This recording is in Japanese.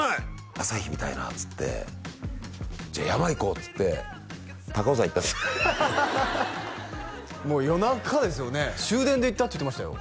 「朝日見たいなあ」っつって「じゃあ山行こう」っつって高尾山行ったんです夜中ですよね「終電で行った」って言ってましたよ